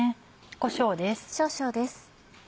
こしょうです。